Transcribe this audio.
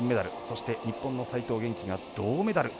そして、日本の齋藤元希が銅メダル。